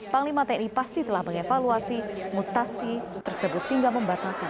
panglima tni pasti telah mengevaluasi mutasi tersebut sehingga membatalkan